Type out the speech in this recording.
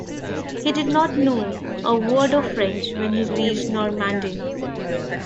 He did not know a word of French when he reached Normandy.